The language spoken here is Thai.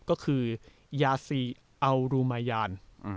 ก็คือยาซีอัลรูมายาน